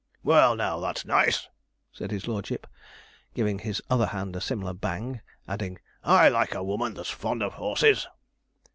'Well, now, that's nice,' said his lordship, giving his other hand a similar bang, adding, 'I like a woman that's fond of horses.'